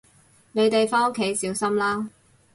你哋返屋企小心啦